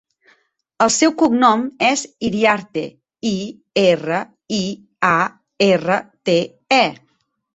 El seu cognom és Iriarte: i, erra, i, a, erra, te, e.